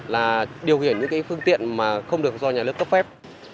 là điều khiển những cái phương tiện mà không được do nhà nước cấp phép